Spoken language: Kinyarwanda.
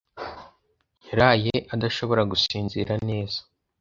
yaraye adashobora gusinzira neza